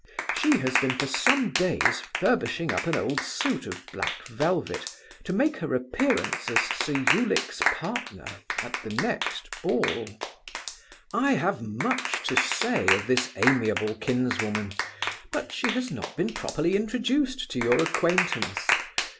She has been for some days furbishing up an old suit of black velvet, to make her appearance as Sir Ulic's partner at the next ball. I have much to say of this amiable kinswoman; but she has not been properly introduced to your acquaintance.